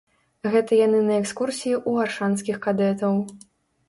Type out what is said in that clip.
Гэта яны на экскурсіі ў аршанскіх кадэтаў.